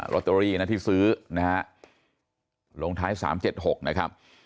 อตเตอรี่นะที่ซื้อนะฮะลงท้าย๓๗๖นะครับ